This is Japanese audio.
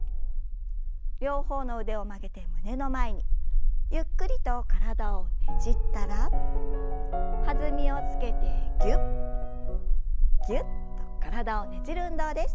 両方の腕を曲げて胸の前にゆっくりと体をねじったら弾みをつけてぎゅっぎゅっと体をねじる運動です。